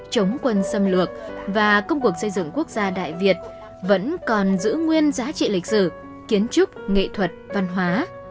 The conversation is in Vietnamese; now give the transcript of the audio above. chống quân xâm lược và công cuộc xây dựng quốc gia đại việt vẫn còn giữ nguyên giá trị lịch sử kiến trúc nghệ thuật văn hóa